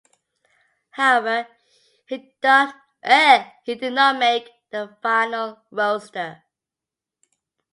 However, he did not make their final roster.